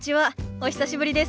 お久しぶりです。